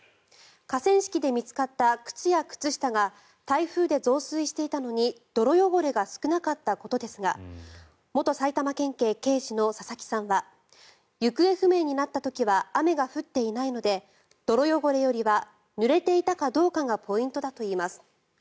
河川敷で見つかった靴や靴下が台風で増水していたのに泥汚れが少なかったことですが元埼玉県警刑事の佐々木さんは行方不明になった時は雨が降っていないので泥汚れよりはぬれていたかどうかがポイントだといいます。